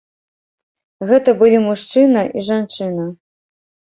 Гэта былі мужчына і жанчына.